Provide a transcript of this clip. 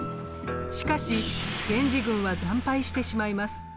しかし源氏軍は惨敗してしまいます。